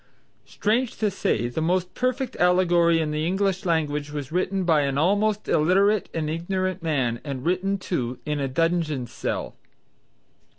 Strange to say the most perfect allegory in the English language was written by an almost illiterate and ignorant man, and written too, in a dungeon cell.